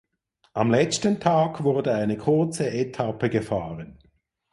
Am letzten Tag wurde eine kurze Etappe gefahren.